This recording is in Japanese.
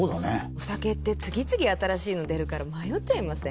お酒って次々新しいの出るから迷っちゃいません？